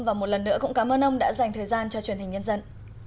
và một lần nữa cũng cảm ơn ông đã dành thời gian cho truyền hình nhân dân